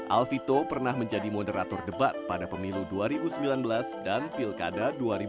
alvito pernah menjadi moderator debat pada pemilu dua ribu sembilan belas dan pilkada dua ribu sembilan belas